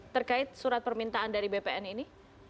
terkait surat permintaan dari bpn ini